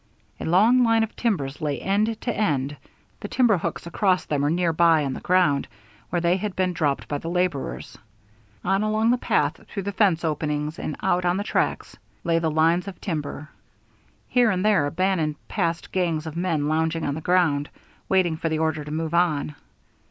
A long line of timbers lay end to end, the timber hooks across them or near by on the ground, where they had been dropped by the laborers. On along the path, through the fence openings, and out on the tracks, lay the lines of timber. Here and there Bannon passed gangs of men lounging on the ground, waiting for the order to move on.